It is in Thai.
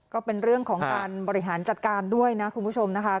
ก็เป็นเรื่องของการบริหารจัดการด้วยนะคุณผู้ชมนะคะ